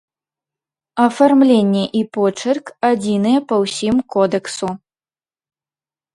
Афармленне і почырк адзіныя па ўсім кодэксу.